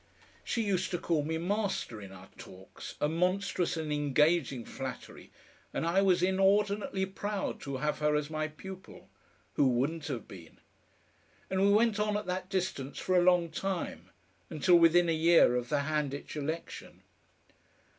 She used to call me "Master" in our talks, a monstrous and engaging flattery, and I was inordinately proud to have her as my pupil. Who wouldn't have been? And we went on at that distance for a long time until within a year of the Handitch election.